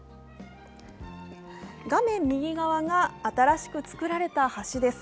画面右側が新しく作られた橋です。